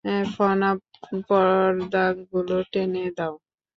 ফনা, পর্দাগুলো টেনে দাও।